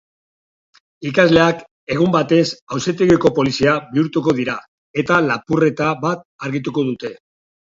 Ikasleak egun batez auzitegiko polizia bihurtuko dira eta lapurreta bat argituko dute